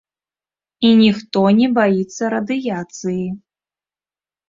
І ніхто не баіцца радыяцыі.